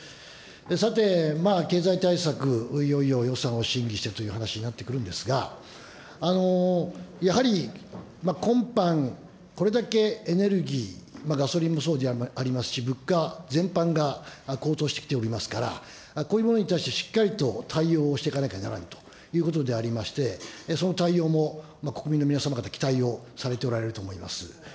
さて、経済対策、いよいよ予算を審議してということになってくるんですが、やはり今般、これだけエネルギー、ガソリンもそうでありますし、物価全般が高騰してきておりますから、こういうものに対してしっかりと対応をしていかなきゃならんということでありまして、その対応も国民の皆様方、期待をされておられると思います。